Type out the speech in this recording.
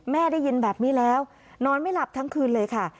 ได้ยินแบบนี้แล้วนอนไม่หลับทั้งคืนเลยค่ะ